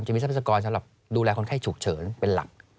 ทรัพยากรสำหรับดูแลคนไข้ฉุกเฉินเป็นหลัก